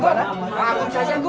kang akum saja kum